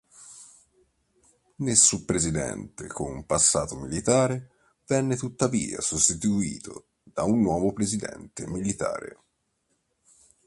Nessun presidente con un passato militare venne tuttavia sostituito da un nuovo presidente militare.